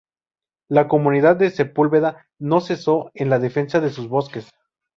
La Comunidad de Sepúlveda no cesó en la defensa de sus bosques.